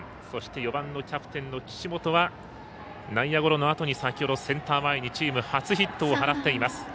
そして４番のキャプテンの岸本は内野ゴロのあとに先ほどセンター前にチーム初ヒットを放っています。